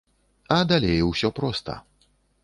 А далей усё проста.